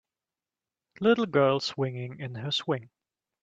Little girl swinging in her swing.